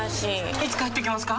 いつ帰ってきますか？